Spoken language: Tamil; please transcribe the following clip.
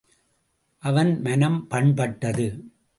அவன் மனம் பண்பட்டது.